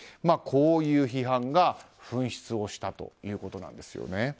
こういう批判が噴出したということなんですね。